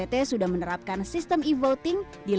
sejauh ini bppd sudah menerapkan sistem e voting untuk pilihan